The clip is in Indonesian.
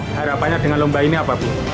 harapannya dengan lomba ini apapun